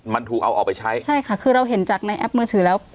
มันถูกเอาออกไปใช้ใช่ค่ะคือเราเห็นจากในแอปมือถือแล้ว